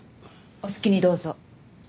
お好きにどうぞ。